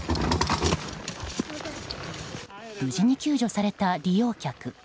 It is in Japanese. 無事に救助された利用客。